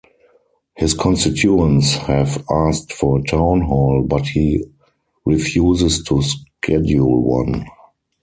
His constituents have asked for a town hall, but he refuses to schedule one.